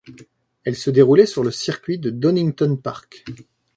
Elle se déroulait sur le circuit de Donington Park.